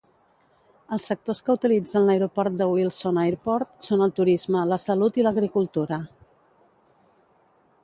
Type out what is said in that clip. Els sectors que utilitzen l'aeroport de Wilson Airport són el turisme, la salut i l'agricultura.